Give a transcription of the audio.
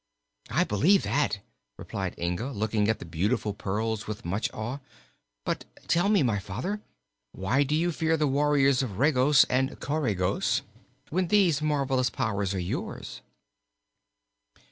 "I believe that," replied Inga, looking at the beautiful pearls with much awe. "But tell me, my father, why do you fear the warriors of Regos and Coregos when these marvelous powers are yours?"